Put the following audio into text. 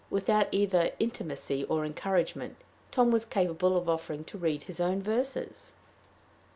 Without either intimacy or encouragement, Tom was capable of offering to read his own verses!